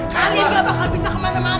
kalian gak bakal bisa kemana mana